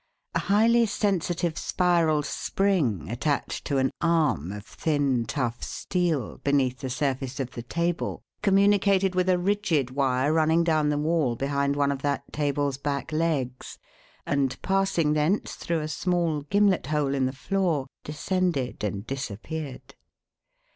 A highly sensitive spiral spring attached to an "arm" of thin, tough steel beneath the surface of the table communicated with a rigid wire running down the wall behind one of that table's back legs and, passing thence through a small gimlet hole in the floor, descended and disappeared.